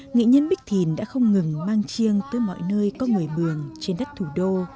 nghị nhân bích thìn đã không ngừng mang chiêng tới mọi nơi có người bường trên đất thủ đô